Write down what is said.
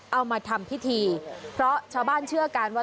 เอามาทำพิธีเพราะชาวบ้านเชื่อกันว่า